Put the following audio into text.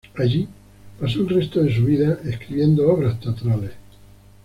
Allí pasó el resto de su vida, escribiendo obras teatrales.